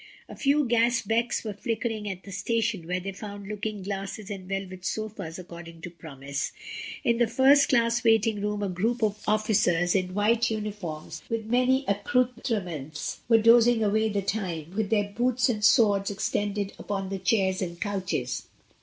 A few gas becks were flickering at the station, where they found looking glasses and velvet sofas according to promise. In the first class waiting room a group of officers in white uniforms with many accoutrements were dozing away the time, with their boots and swords extended upon the chairs and couches.